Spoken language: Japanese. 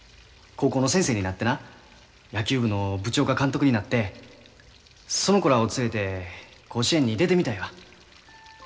高校の先生になってな野球部の部長か監督になってその子らを連れて甲子園に出てみたいわ。